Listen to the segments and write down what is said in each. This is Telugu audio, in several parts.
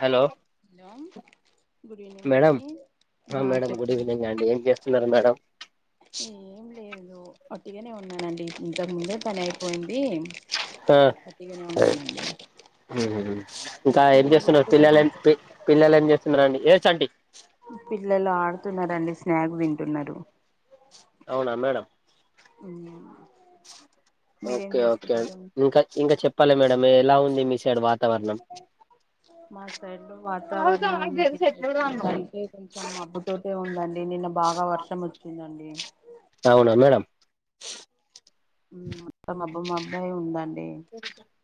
Hello hello good evening madam అండి ఆ మేడం గుడ్ చెప్పండి ఈవెనింగ్ అండి ఏం చేస్తున్నారు మేడం ఏం లేదు అట్గానే ఉన్నానండి ఇంతకు ముందు పని అయిపోయింది ఆ వట్టిగానే ఉన్నానండి ఇంకా ఏమి చేస్తున్నారు పిల్లలు ఏం పిల్లలు ఏం చేస్తున్నారు అండి ఏస్ంటీ పిల్లలు ఆడుతున్న రండి స్నాక్స్ తింటున్నారు అవునా మేడం ఉ ఓకే ఓకే ఇంకా ఇంకా చెప్పాలి మేడం ఎలా ఉంది మీ సైడ్ వా మా సైడ్ వాతావరణాన్నినికి ఎట్లుందంటే కొంచెం మబ్బుతోటే ఉందండి నిన్న బాగా వర్షం వచ్చిందండి అవునా మేడం ఉ అట్లా మబ్బు మబ్బు అయి ఉందండి ే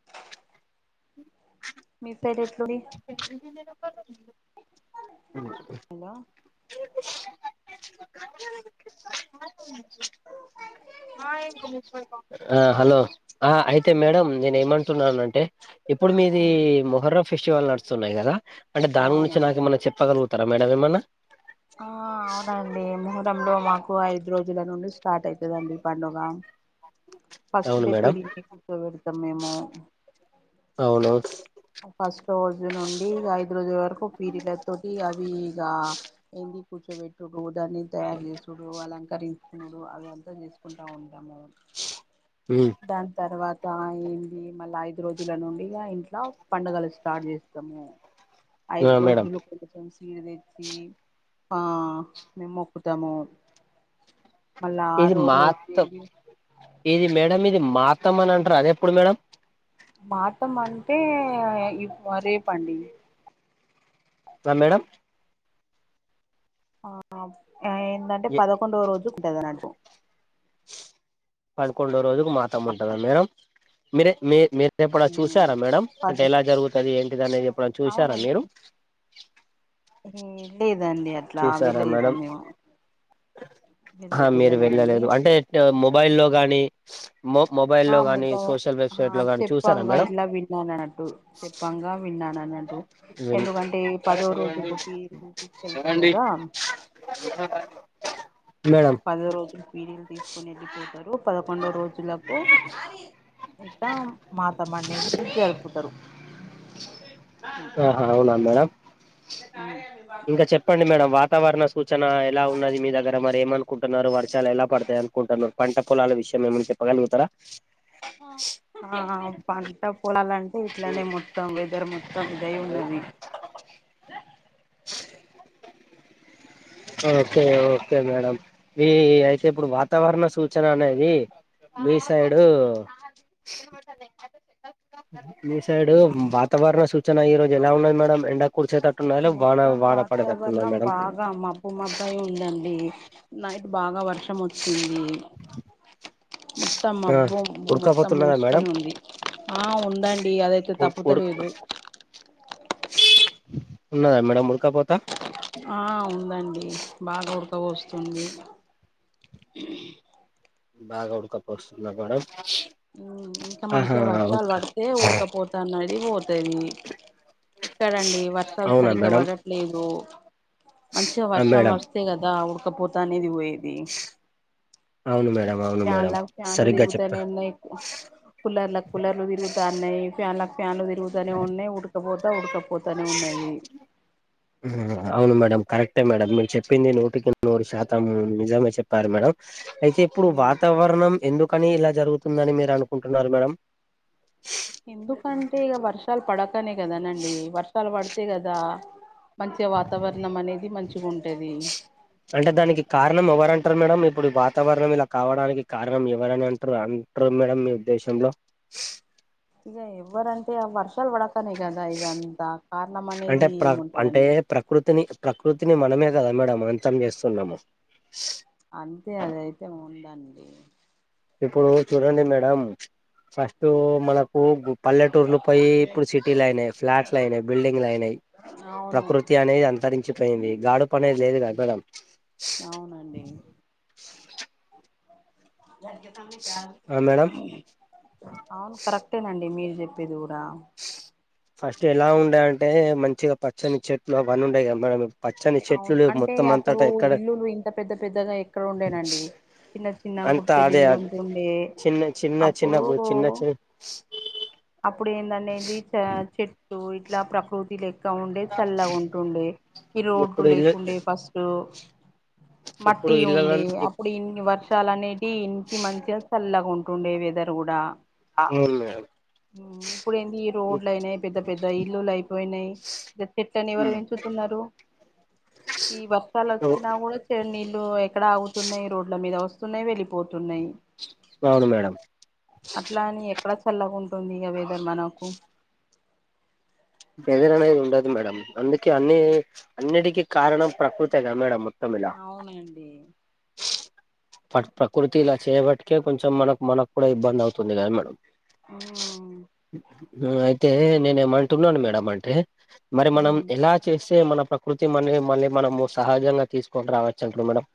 మీ పేరు ఎట్లుడి హలో ఆ హలో ఆ అయితే మేడం నేను ఏమం టున్నానంటే ఇప్పుడు మీది మొహర్ర ఫెస్టివల్ నడుస్తున్నాయి కదా అంటే దాని గురించి నాకు అవునండి ఏమనా చెప్పగలుగుతారా మేడమ్ ఏమన్నా ఆ అవునండి ముహూరంలో మాకు ఐదు రోజుల నుండి స్టార్ట్ అయితదండి పండుగ ఫస్ట్ అవును డే మేడం పిరిల్ని కూచో వెడతాం మేము అవును ఫస్ట్ రోజు నుండి ఇగ ఐదు రోజుల వరకు పీరిల తోటి అవి ఇగ ఏంది కూర్చోబెట్టుడు దాన్ని తయారు చేసుడు అలంకరించుకునుడు అద అంత చేసుకుంటా ఉంటాము పి దాని తర్వాత ఏంది మళ్ళ ఐదు రోజుల నుండి ఇగ ఇంట్ల పండుగలు స్టార్ట్ చేస్తాము ఐదు మేడం రోజులు సీడి తెచ్చి ఆ మేము మొక్కుతాము మల్ల ఇది ఆరో రోజు మాత్రం ఏంది ఇది మేడం ఇది మాతం అని అంటారు అది ఎప్పుడు మేడం మాతం అంటే రేపండి రా మేడం ఆ ఏందాంటే పదకొండో రోజు ఉంటది అన్నట్టు పదకొండో రోజుకు మాతం ఉంటద మేడం మీరే మీ మీ ఎప్పుడ చూసారా మేడం పద అంటే ఎలా జరుగుతది ఏంటిది అనేది ఎప్పుడు చూసారా మీరు ఏ లేదండి అట్లా చూసారా వెళ్ళలేదు మేడం మేము ఆ వెదరే మీరు వెళ్ళలేదండి వెళ్ళలేదు అంటే మొబైల్లో గాని మొ ఆ మొబైల్లో గాని ముఖం సోషల్ వెబ్సైట్ లో గాని చూసారా మేడం విన్నానన్నట్టు చెప్పంగా విన్నానన్న ఎందుకంటే పదో రోజుకు పిరీలు తీసుకెళ్తారు కదా మేడం పదో రోజు పీరీలు తీసుకుని వెళ్ళిపోతారు పదకొండో రోజులకు ఇకా మాతమనేది జరుపుతరు ఆహా అవునా మేడం ఉ ఇంకా చెప్పండి మేడం వాతావరణ సూచన ఎలా ఉన్నది మీ దగ్గర మరేమన్ అనుకుంటున్నారు వర్షాలు ఎలా పడతాయి అనుకుంటున్నారు పంట పొలాల విషయం ఏమన్న చెప్పగలుగుతారా ఆ పంట పొలాలంటే ఇట్లనే మొతం వెదర్ మొ క్ దే ఉన్నది ఓకే ఓకే మేడం ఈ అయితే ఇప్పుడు వాతావరణ సూచన అనేది మీ సైడు ద అ మీ సైడ్ వాతావరణ సూచన ఈ రోజు ఎలా ఉన్నది మేడం ఎండ కుర్చేటట్టు ఉన్నాద లే వాన మొత్తం వాన పడేటట్టున్నాద వాతావరణం మేడం బాగా మాబ్బు మాబ్బయి ఉందండి నైట్ బాగా వర్షం వచ్చింది మొత్తం ఆ మబ్బు మొత్తం ఉడకపోతున్నదా మేడం మూసుకొని ఉంది ఆ ఉందండి అదైతే ఉ తప్పుత ఉడక లేదు ఉన్నదా మేడం ఉడకాపోతా ఆ ఉందండి బాగా ఉడకపోస్తోంది బాగా ఉడకపోస్తుందా మేడం మ్ ఇంకా ఆహా మంచిగా వర్షాలు ఓకే పడితే ఊడకపోతా అన్నది పోతది ఎక్కడండి వర్షాలు అవునా సరిగ్గా మేడం పడట్లేదు మంచిగా ఆ వర్షం మేడం వరిస్తే కదా ఉడకపోత అనేది పోయే ది అవును మేడం అవును ఫ్యాన్ మేడం ల ఫ్యాన్లు సరిగ్గా చెప్పారు తిరుగుతనే ఉన్నాయ్ కులర్ ల కులర్లు విరుగుతాన్నయ్ ఫ్యాన్ల ఫ్యాన్లు తిరుగుతనే ఉన్నయ్ ఉడుకపోతా ఉడుక పోతానే ఉన్నాది అవును మేడం కరెక్టే మేడం మీరు చెప్పింది నూటికి నూరు శాతం నిజమే చెప్పారు మేడం అయితే ఇప్పుడు వాతావరణం ఎందు కనీ ఇలా జరుగుతుందని మీరు అనుకుంటున్నారు మేడం ఎందుకంటే ఇగ వర్షాలు పడకనే కదానండి వర్షాలు పడితే కదా మంచిగా వాతావరణం అనేది మంచిగా ఉంటది అంటే దానికి కారణం ఎవరంటారు మేడం ఇప్పుడు వాతావరణం ఇలా కావడానికి కారణం ఎవరని అంటారు అం ర్ మేడం మీ ఉద్దేశంలో ఇగ ఎవ్వరంటే ఆ వర్షాలు పడతనే కదా ఇవి అంతా కారణం అంటే అనేది ప్ర అంటే ఏముంటదండి ప్రకృతిని ప్రకృతిని మనమే కదా మేడం అంతం చేస్తున్నాము అంతే అదయితే ఉందండి ఇప్పుడు చూడండి మేడం ఫస్ట్ మనకు గు పల్లెటూర్లు పోయి ఇప్పుడు సిటీలు అయినాయి ఫ్లాట్స్లు అయినాయి బిల్డింగ్ లు అయినాయి అవును ప్రకృతి అనేది అంతరించిపోయింది గాడుపు అనేది లేదు కదా మేడం అవునండి గజక తని కాల ఆ మేడం [inaudible] అవును కరెక్టేనండి మీరు జెప్పేది కుడా ఫస్ట్ ఎలా ఉండే అంటే మంచిగా పచ్చని చెట్లు అవన్ని ఉండే కదా మేడం పచ్చని అవును చెట్లులేవ్ అంటే మొత్తం అప్పుడు అంతట ఎక్కడ ఇల్లులు ఇంత పెద్ద పెద్దగా ఎక్కడ ఉండేనండి చిన్న చిన్న అంత గుడిసెలు అదే ఇల్లు అదే ఉంటుండే చిన్న చిన్న చిన్న అప్పుడు గు చిన్న చిన్న అప్పుడు ఏందనేది చ చెట్టు ఇట్లా ప్రకృతి లే క్క ఉండే చల్లగా ఉంటుండే ఈ ఇప్పుడు రోడ్డు ఇల్లు లేకుండే ఫస్ట్ మట్టి ఇప్పుడు ఇళ్లలో ఉండే అప్పుడు ఇన్ని వర్షాలనే ఇనికి మంచిగా సల్లాగా ఉంటుండే వెదర్ కుడా అవును మేడం ఉమ్ ఇప్పుడు ఏంది రోడ్లు అయినాయి పెద్ద పెద్ద ఇల్లులు అయిపోయినాయి ఇగ చెట్లని ఎవరు పెంచుతున్నారు ఈ వర్షాలు వచ్చినా గూడ నీళ్లు ఎక్కడ ఆగుతున్నాయి రోడ్ల మీద వస్తున్నాయి వెళ్ళిపోతున్నాయి అవును మేడం అట్లా అని ఎక్కడ చల్లగ ఉంటుంది ఇగ వెదర్ మనకు వెదర్ అనేది ఉండదు మేడం అందుకే అన్ని అన్నిటికీ కారణం ప్రకృతేగా మేడం మొత్తం ఇలా అవును అండి ప్రకృతి ఇలా చేయబటికే కొంచెం మనకు మనకు కూడా ఇబ్బంది అవుతుంది గదా మేడం ఆ అయితే నేను ఏమంటున్నాను మేడం అంటే మరి మనం ఉమ్ ఎలా చేస్తే మన ప్రకృతి మ మళ్ళీ మనము సహజంగా తీసుకొని రావచ్చు అంటున్న మేడం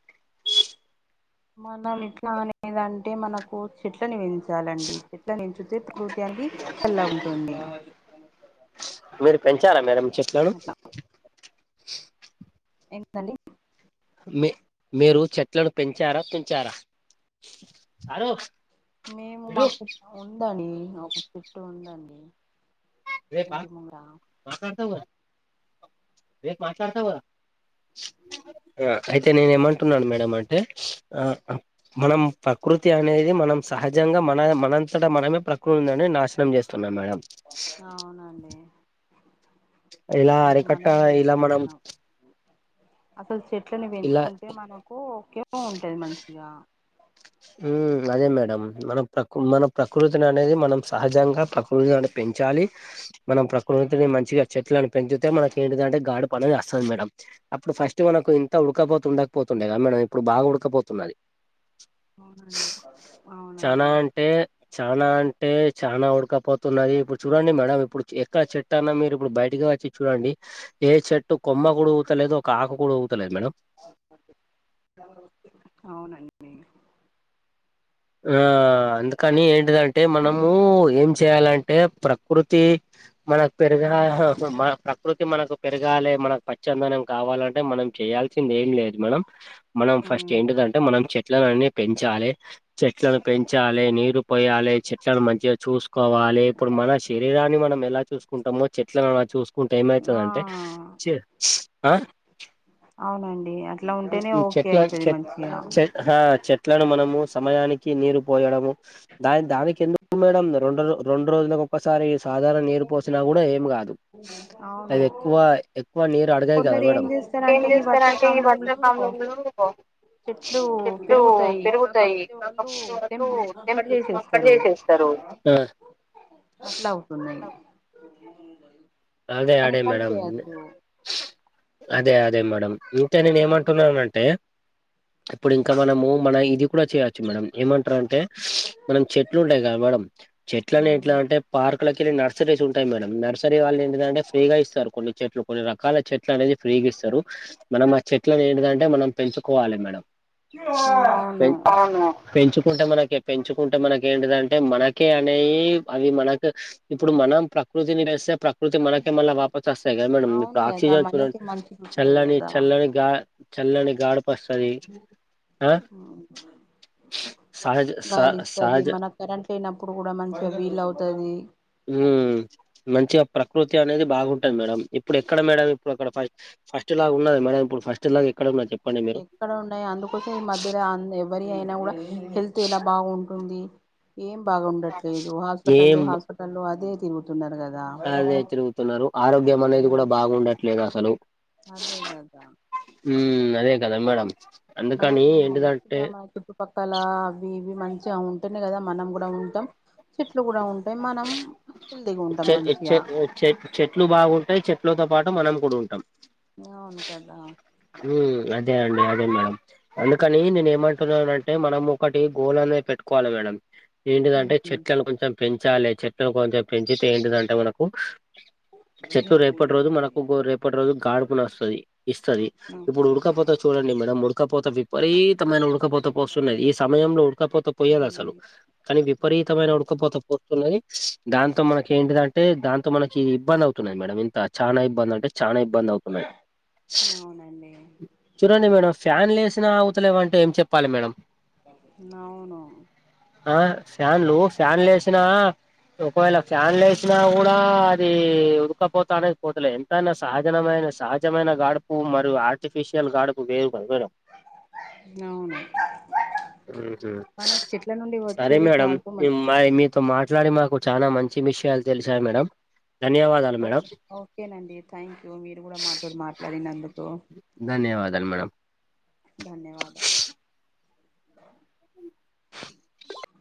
మనం ఇట్లా అనేదంటే మనకు చెట్లను బెంచాలండి చెట్లను బెంచితే అయితే అవి చల్లగ ఉంటుంది మీరు పెంచార మేడం చెట్లను అట్లా ఏంటిది అండి మీ మీరు చెట్లను పెంచారా తుంచారా మేము మాకు ఉందండి ఒక చెట్టు ఉంది అండి రేపా మాట్లాడుతవ్ గదా రేపు మాట్లాడుత వ్ గదా ఆ అయితే నేనేం అంటున్నాను మేడం అంటే ఆ మనం ప్రకృతి అనేది మనం సహజంగా మన మనంతట మనమే ప్రకృతి అనేది నాశనం చేస్తున్నాం మేడం అ అవునండి ఇలా అంటే అరికట్ట మనమే ఇలా మనం చేసుకుంటున్నాం అసలు చెట్లను ఇలా పెంచుకుంటే మనకు ఉపయోగం ఉంటది మంచిగా ఉమ్ అదే మేడం మన ప్రకృ మన ప్రకృతిని అనేది మనం సహజంగా ప్రకృతిని పెంచాలి మనం ప్రకృతిని మంచిగా చెట్లను పెంచుతే మనకి ఏంటింటే గాడి పని వస్తది మేడం అప్పుడు ఫస్ట్ అయితే మనకు ఇంత ఉడకపోతు ఉండకపోతుండేగా మేడం ఇప్పుడు బాగ ఉడకపోతున్నది అవునండి చానా అవునండి అంటే చానా అంటే చానా ఉడకపోతున్నది ఇప్పుడు చూడండి మేడం ఇప్పుడు ఎక్క చె ట్టన్నా మీరు ఇప్పుడు బయటికి వచ్చి చూడండి ఏ చెట్టు కొమ్మ గూడా ఊగుతలేదు ఒక ఆకు కూడా ఊగుతలేదు మేడం అవునండి ఆ అందుకని ఏంటిదంటే మనము ఏం చేయాలంటే ప్రకృతి మనకు పెరుగా మన ప్రకృతి మనకు పెరగాలి మనకు పచ్చందనం కావాలంటే మనం చేయాలి చేసింది ఏం లేదు మేడం మనం ఫస్ట్ ఉమ్ ఏంటిదంటే మనం చెట్ల నన్ని పెంచాలే చెట్లను పెంచాలే నీరు పోయాలే చెట్లను మంచిగ చూసు కోవాలే ఇప్పుడు మన శరీరాన్ని మనం ఎలా చూసుకుంటామో చెట్లను అలా చూసుకుంటే ఆ ఏమైతదంటే చె ఆ అవునండి అట్ల ఉంటేనే ఓకే ఐతది మంచిగా. హ చెట్లను మనము సమయానికి నీరు పోయడము. దా దానికి ఎందుకు మేడం రెండు రెండు రోజుల. ఒక్కసారి సాధారణ నీరు పోసినా కూడా ఏమి కాదు అవును అది ఎక్కువ. క్కువ నీరు అడిగయి కదా కొందరు ఏం మేడం. చేస్తారంటే ఈ వర్షాకాలంలో చెట్లు పెరుగుతాయి కాకపోతే. వాళ్ళు తెంపేసేస్తారు. ఆ అలా ఉన్నాయి. అదే అడే మేడం అదే అదే మేడం ఇంక నేను ఏమంటున్నానంటే ఇప్పుడు ఇంకా మనము మన ఇది కూడా చేయవచ్చు మేడం ఏమంటారు అంటే మనం చెట్లు ఉంటాయి కదా మేడం చెట్లు అని ఉమ్. ఎట్లా అంటే పార్క్లకి వెల్లీ నర్సరీస్ ఉంటాయి మేడం నర్సరీ వాళ్ళ ఏంటంటే ఫ్రీగా ఇస్తారు కొన్ని చెట్లు కొన్ని రకాల చెట్లు చేట్ల అనేది ఫ్రీగా ఇస్తారు మనం ఆ చెట్లని ఏంటిదంటే మనం పెంచుకోవాలి మేడం అవును అవును పెంచుకుంటే మనకే పెంచుకుంటే మనకి ఏంటిదంటే మనకే అనేవి అవి మనకు ఇప్పుడు మనం ప్రకృతినెస్తే ప్రకృతి మనకి తే మళ్ళ వాపస్ వస్తాయి కదా మేడం అవును ఇప్పుడు కదా ఆక్సిజన్ చూడండి మనకి మంచికి వస్తది చల్లని కదా చల్లని గా చల్లని గాడప్ సరి ఆ ఉమ్. సహజ్ స గాలి ఇస్తది సహజ మనకు కరెంట్ లేనప్పుడు కూడా మంచిగా వీల్ అవుతాది హు మంచిగా ప్రకృతి అనేది బాగుంటది మేడం ఇప్పుడు ఎక్కడ మేడం ఇప్పుడు అక్కడ ఫై ఫస్ట్ లాగా ఉన్నదా మడం ఇప్పుడు ఫస్ట్ లాగా ఎక్కడ ఉన్నా చెప్ప ఎక్కడ ఉన్నాయి అందుకోసం ఈ మధ్యలో ఎవరి అయినా కూడా హెల్త్ ఇలా బాగుంటుంది ఏం బాగుండట్లేదు హాస్పిటల్లు ఏం హాస్పిటల్లు అదే తిరుగుతున్నారు కదా అదే తిరుగుతున్నారు ఆరోగ్యం అనేది కూడా మరి బాగుండట్లేదు అసలు అదే గదా ఉ అదే కదా మేడం అందుకని మనకు ఏంటిదంటే మంచిగా మన చు పక్కల అవి ఇవి మంచిగా ఉంటేనే కదా మనం కూడా ఉంటాం చెట్లు కూడా ఉంటాయి మనం హెల్తీగా ఉంటాం చె చె మంచిగా చె చెట్లు బాగుంటాయ్ చెట్లతో పాటు మనం కూడా ఉంటాం అవును కదా ఉ అదే అండి అదే మేడం అందుకని నేను ఏమంటున్నానంటే మనం ఒకటి గోల్ అనేది పెట్టుకోవాలి మేడం ఏంటిదంటే ఉమ్. చెట్లను కొంచెం పెంచాలి చెట్లను కొంచెం పెంచితే ఏంటిదంటే మనకు చెట్లు రేపటి రోజు మనకు రేపటి రోజు గాడుపుని వస్తది ఇస్తది ఉ. ఇప్పుడు ఉడకపోత చూడండి మేడం ఉడకపోత విపరీతమైన ఉడకపోత పోస్తున్నది ఈ సమయంలో ఉడకపోత పోయదు అసలు ఉమ్. కానీ విపరీతమైన ఉడకపోత పోస్తున్నది దాంతో మనకి ఏంటిదంటే దాంతో మనకి ఇబ్బంది అవుతు మేడం ఇంత చానా ఇబ్బంది అంటే చానా ఇబ్బంది అవు అవునండి చూడండి మేడం ఫ్యాన్ లేేసినా అవుతలేవంటే ఏం చెప్పాలి మేడం అవును ఆ ఫ్యాన్లు ఫ్యాన్లు వేసిన ఒకవేళ ఫ్యాన్లు వేసినా కూడా అది ఉడకపోత అనేది పోతలే న సహజనామైన సహజమైన గాడుపు మరియు ఆర్టిఫిషియల్ గాడుపు వేరు కదా మేడం అవును మనం చెట్ల నుండి వచ్చేది గాడుపు మరి మీతో మాట్లాడి మాకు చాలా మంచి విషయాలు తెలిసాయి మేడం ధన్యవాదాలు మేడం ఓకే ఓకేనండి థ్యాంక్ యూ మీరు కూడా మాతో మాట్లాడినందుకు ధన్యవాదాలు మేడమ్ ధన్యవాదాలు